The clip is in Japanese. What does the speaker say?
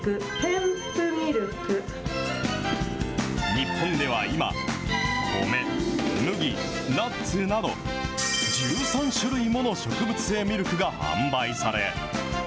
日本では今、米、麦、ナッツなど、１３種類もの植物性ミルクが販売され。